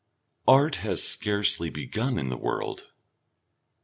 Art has scarcely begun in the world.